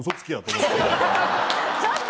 ちょっと！